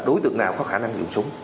đối tượng nào có khả năng dùng súng